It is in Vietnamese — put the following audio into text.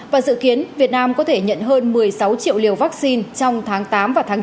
và dự kiến việt nam có thể nhận hơn một mươi sáu triệu liều vaccine trong tháng tám và tháng chín